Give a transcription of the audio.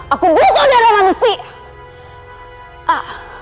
aku butuh darah manusia